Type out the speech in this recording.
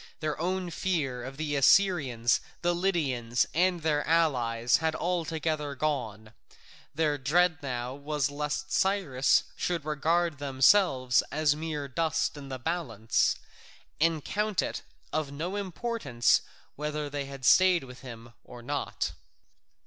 Their own fear of the Assyrians, the Lydians, and their allies, had altogether gone; their dread now was lest Cyrus should regard themselves as mere dust in the balance, and count it of no importance whether they stayed with him or not.